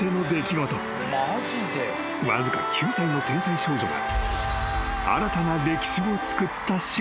［わずか９歳の天才少女が］